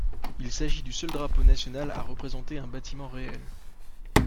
Il s'agit du seul drapeau national à représenter un bâtiment réel.